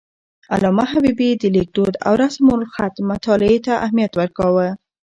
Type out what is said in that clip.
علامه حبيبي د لیک دود او رسم الخط مطالعې ته اهمیت ورکاوه.